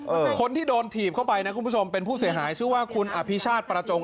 คนที่โดนถีบเข้าไปนะคุณผู้ชมเป็นผู้เสียหายชื่อว่าคุณอภิชาติประจง